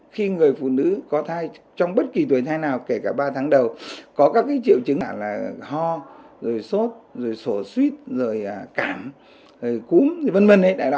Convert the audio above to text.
khi người phụ nữ có thai trong bất kỳ tuổi thai nào kể cả ba tháng đầu có các triệu chứng là ho rồi sốt rồi sổ suy rồi cảm cúm v v